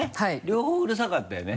両方うるさかったよね。